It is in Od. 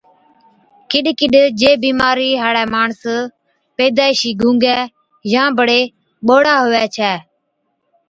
ڪِڏ ڪِڏ جي بِيمارِي هاڙَي ماڻس پيدائشِي گُونگَي يان بڙي ٻوڙَي هُوَي ڇَي